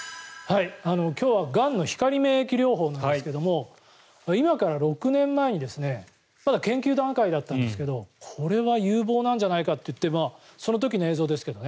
今日はがんの光免疫療法なんですけども今から６年前にまだ研究段階だったんですけどこれは有望なんじゃないかっていってその時の映像ですけどね。